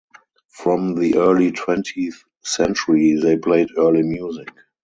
From the early twentieth century they played early music.